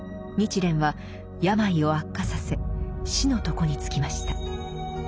日蓮は病を悪化させ死の床につきました。